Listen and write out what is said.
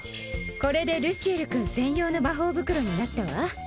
これでルシエル君専用の魔法袋になったわ